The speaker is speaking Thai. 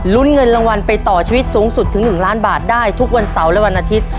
เงินรางวัลไปต่อชีวิตสูงสุดถึง๑ล้านบาทได้ทุกวันเสาร์และวันอาทิตย์